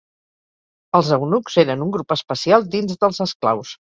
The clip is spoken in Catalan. Els eunucs eren un grup especial dins dels esclaus.